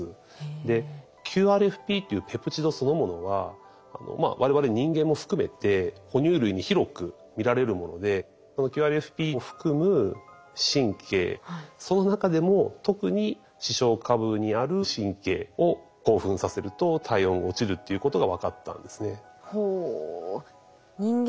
でＱＲＦＰっていうペプチドそのものは我々人間も含めて哺乳類に広く見られるものでそのＱＲＦＰを含む神経その中でも特に視床下部にある神経を興奮させると体温落ちるっていうことが分かったんですね。